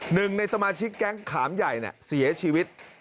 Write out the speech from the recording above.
หนึ่งในสมาชิกแก๊งขามใหญ่เสียชีวิต